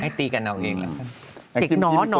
ให้ตีกันเอาเอง